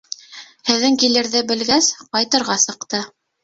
Һеҙҙең килерҙе белгәс, ҡайтырға сыҡты.